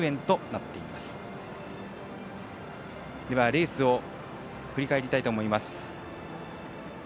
レースを振り返りたいと思います。